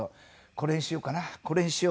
これにしようかな？」